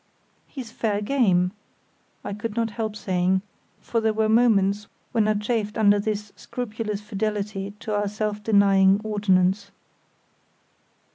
"He's fair game!" I could not help saying; for there were moments when I chafed under this scrupulous fidelity to our self denying ordinance.